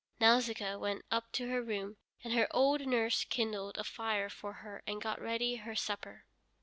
Nausicaa went up to her room, and her old nurse kindled a fire for her and got ready her supper.